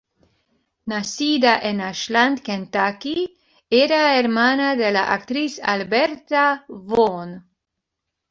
Nacida en Ashland, Kentucky, era hermana de la actriz Alberta Vaughn.